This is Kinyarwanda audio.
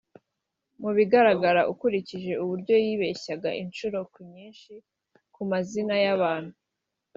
Mu bigaragara ukurikije uburyo yibeshyaga inshuro ku nyinshi ku mazina y’abantu